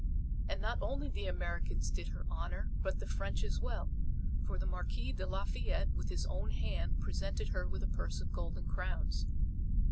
And not only the Americans did her honor, but the French as well, for the Marquis de Lafayette with his own hand presented her with a purse of golden crowns.